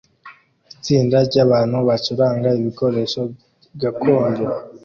Itsinda ryabantu bacuranga ibikoresho gakondo